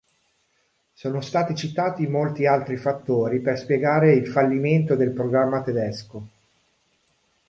Sono stati citati molti altri fattori per spiegare il fallimento del programma tedesco.